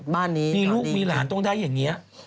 มีลูกมีหลานตรงใดอย่างเงี้ย